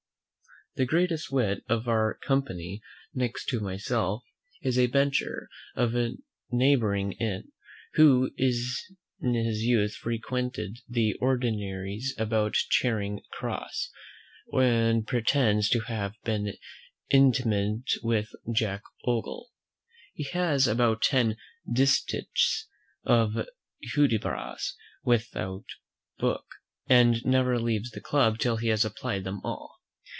The greatest wit of our company, next to myself, is a Bencher, of the neighbouring Inn, who in his youth frequented the ordinaries about Charing Cross, and pretends to have been intimate with Jack Ogle. He has about ten distichs of Hudibras without book, and never leaves the club till he has applied them all.